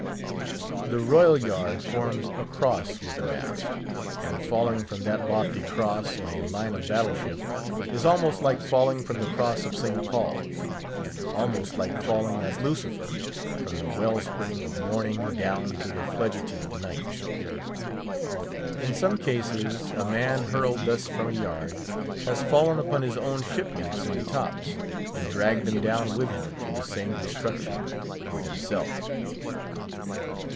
The royal yard forms a cross with the mast, and falling from that lofty cross in a line of battle ship is almost like falling from the cross of St. Paul's; almost like falling as Lucifer from the well spring of morning down to the Phlegethon of night. In some cases, a man, hurled thus from a yard, has fallen upon his own shipmates in the tops, and dragged them down with him to the same destruction with himself.